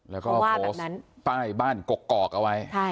แล้วก็โปรสต์ป้ายบ้านกกอกเอาไว้นะครับ